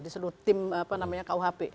di seluruh tim kuhp